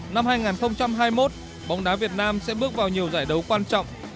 năm hai nghìn hai mươi một bóng đá việt nam sẽ bước vào nhiều giải đấu quan trọng